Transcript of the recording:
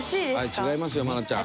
違いますよ愛菜ちゃん。